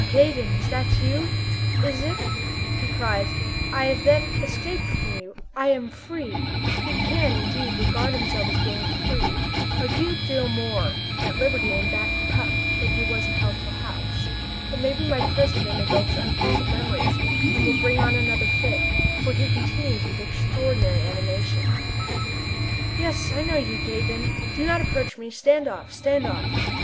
Gaydon, it is you, is it?" he cries, "I have then escaped from you! I am free!" He can, indeed, regard himself as being free a good deal more at liberty in Back Cup than he was in Healthful House. But maybe my presence evokes unpleasant memories, and will bring on another fit, for he continues with extraordinary animation: "Yes, I know you, Gaydon. Do not approach me! Stand off! stand off!